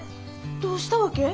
どうしたわけ？